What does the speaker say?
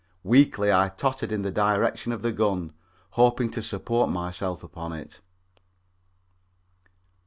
Weakly I tottered in the direction of the gun, hoping to support myself upon it.